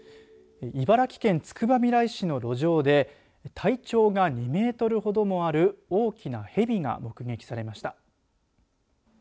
茨城県つくばみらい市の路上で体長が２メートルほどもある大きな蛇が目撃されました。